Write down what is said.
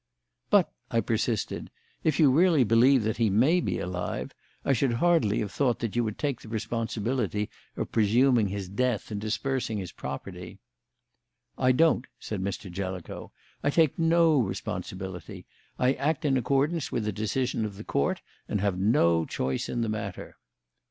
"But," I persisted, "if you really believe that he may be alive, I should hardly have thought that you would take the responsibility of presuming his death and dispersing his property." "I don't," said Mr. Jellicoe. "I take no responsibility. I act in accordance with the decision of the Court and have no choice in the matter."